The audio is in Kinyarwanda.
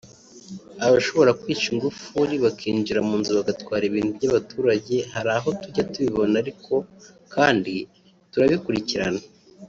abashobora kwica ingufuri bakinjira mu nzu bagatwara ibintu by’abaturage hari aho tujya tubibona ariko kandi turabikurikirana